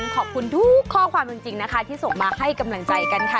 ขอบคุณทุกข้อความจริงนะคะที่ส่งมาให้กำลังใจกันค่ะ